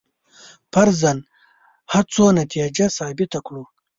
فرضاً هڅو نتیجه ثابته کړو.